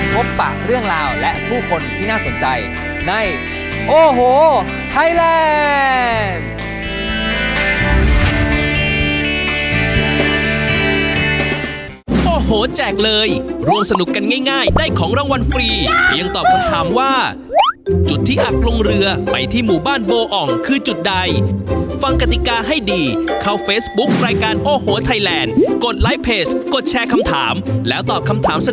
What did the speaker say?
ปากเรื่องราวและผู้คนที่น่าสนใจในโอ้โหไทยแลนด์